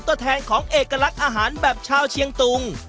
ตัวแทนของเอกลักษณ์อาหารแบบชาวเชียงตุง